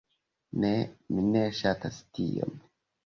Ne! Mi ne ŝatas tion.